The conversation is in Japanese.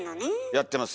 やってます